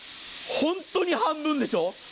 本当に半分でしょう。